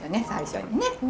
最初にね。